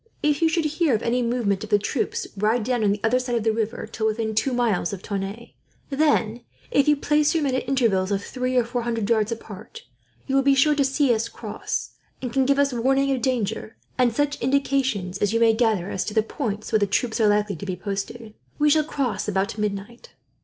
If you should hear of any movements of troops, ride down on the other side of the river till within two miles of Tonneins; then, if you place your men at intervals of three or four hundred yards apart, you will be sure to see us cross, and can give us warning of danger, and such indications as you may gather as to the points where the troops are likely to be posted. We shall cross about midnight."